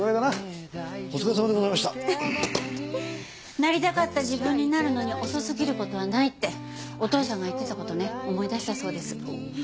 なりたかった自分になるのに遅すぎる事はないってお父さんが言ってた事をね思い出したそうです。